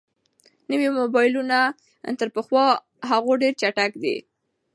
نوي موبایلونه تر پخوانیو هغو ډېر چټک دي.